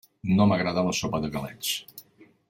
No m'agrada la sopa de galets.